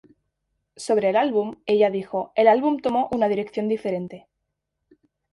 Sobre el álbum, ella dijo "El álbum tomó una dirección diferente.